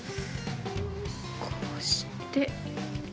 こうして。